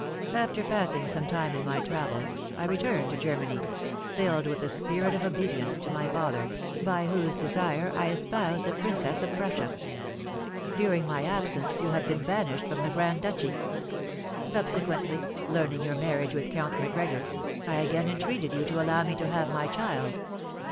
After passing some time in my travels, I returned to Germany, filled with a spirit of obedience to my father, by whose desire I espoused a princess of Prussia. During my absence you had been banished from the Grand Duchy. Subsequently, learning your marriage with Count Macgregor, I again entreated you to allow me to have my child.